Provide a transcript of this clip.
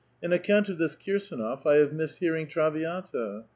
And on account of this Kii sdnof, I have missed hearing ' Traviiita.'